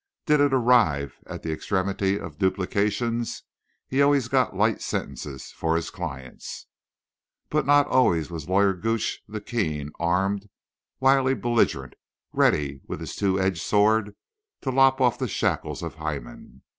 Did it arrive at the extremity of duplications, he always got light sentences for his clients. But not always was Lawyer Gooch the keen, armed, wily belligerent, ready with his two edged sword to lop off the shackles of Hymen.